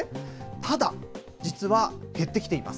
ただ、実は減ってきています。